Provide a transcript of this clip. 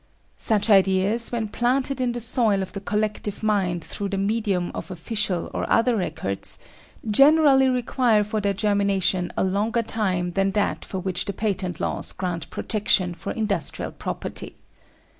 Such ideas, when planted in the soil of the collective mind through the medium of official or other records, generally require for their germination a longer time than that for which the patent laws grant protection for industrial property.